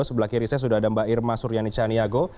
sebelah kiri saya sudah ada mbak irma suryani caniago